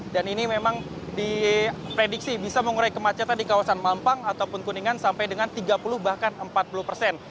dan ini memang diprediksi bisa mengurai kemacetan di kawasan mampang ataupun kuningan sampai dengan tiga puluh bahkan empat puluh persen